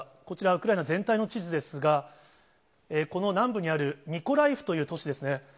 こちら、ウクライナ全体の地図ですが、この南部にあるミコライフという都市ですね。